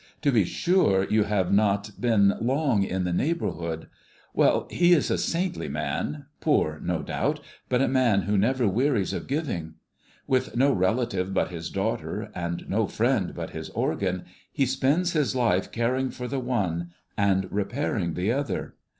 To be sure, you have not been long in the neighborhood. Well, he is a saintly man, poor, no doubt, but a man who never wearies of giving. With no relative but his daughter, and no friend but his organ, he spends his life caring for the one and repairing the other.